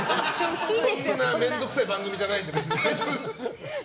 そんな面倒くさい番組じゃないんで。